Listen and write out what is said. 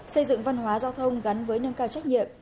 xây dựng văn hóa giao thông gắn với nâng cao trách nhiệm